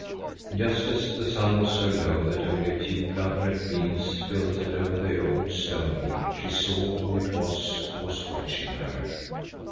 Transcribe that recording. Just as the sun was so low that only a few blood red beams filtered over the old stone heap, she saw who it was who was watching her.